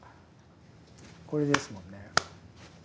これですもんね。